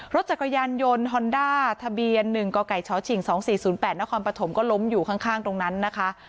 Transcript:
รถจักรยานยนต์ฮอนด้าทะเบียน๑กกชฉิง๒๔๐๘นครปฐมก็ล้มอยู่ข้างตรงนั้นนะคะ